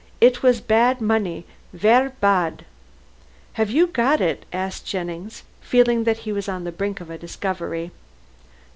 "It was bad money ver bad." "Have you got it?" asked Jennings, feeling that he was on the brink of a discovery.